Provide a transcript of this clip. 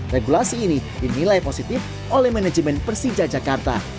regulasi ini dinilai positif oleh manajemen persija jakarta